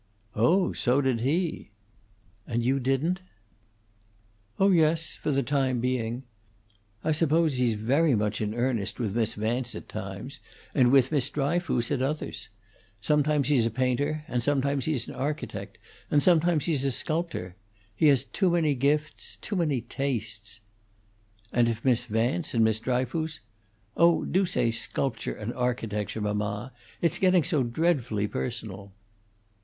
"Oh, so did he!" "And you didn't?" "Oh yes, for the time being. I suppose he's very much in earnest with Miss Vance at times, and with Miss Dryfoos at others. Sometimes he's a painter, and sometimes he's an architect, and sometimes he's a sculptor. He has too many gifts too many tastes." "And if Miss Vance and Miss Dryfoos " "Oh, do say Sculpture and Architecture, mamma! It's getting so dreadfully personal!"